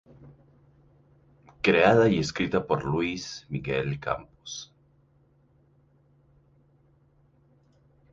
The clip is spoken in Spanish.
Creada y escrita por Luis Miguel Campos.